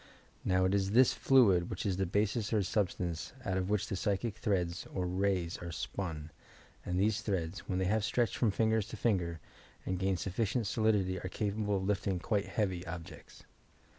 Now, it is this fluid which is the basis or substance out of which the psychie threads or rays are spun, and these threads, when they have stretched from finfrer to finger, and gained sufficient solidity, are capable of lift ing quite heavy objects.